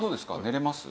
寝れます？